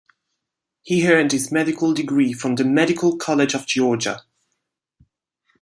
He earned his medical degree from the Medical College of Georgia.